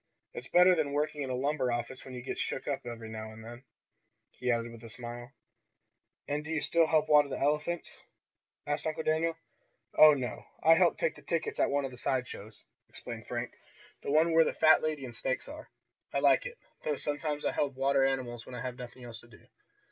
It's better than working in a lumber office when you get shook up every now and then," he added with a smile. "And do you still help water the elephants?" asked Uncle Daniel. "Oh, no, I help take tickets at one of the side shows," explained Frank. "The one where the fat lady and snakes are. I like it, though sometimes I help water the animals when I have nothing else to do.